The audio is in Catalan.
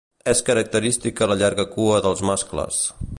És característica la llarga cua dels mascles.